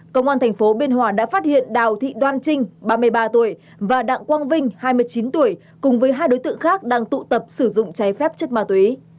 công an tp biên hòa đã phát hiện đào thị đoan trinh ba mươi ba tuổi và đặng quang vinh hai mươi chín tuổi cùng với hai đối tượng khác đang tụ tập sử dụng cháy phép chất ma túy